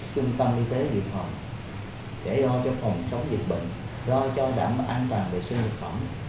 trung tâm y tế dịch bệnh để lo cho phòng chống dịch bệnh lo cho đảm an toàn vệ sinh vật phẩm